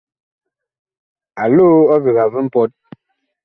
A loo ɔvega vi mpɔt.